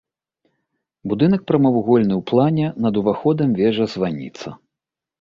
Будынак прамавугольны ў плане, над уваходам вежа-званіца.